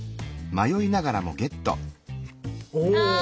お！